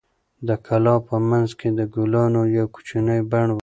د کلا په منځ کې د ګلانو یو کوچنی بڼ و.